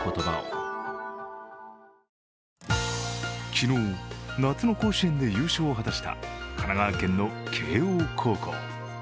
昨日、夏の甲子園で優勝を果たした神奈川県の慶応高校。